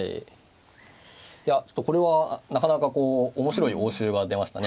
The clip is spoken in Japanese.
いやこれはなかなかこう面白い応酬が出ましたね。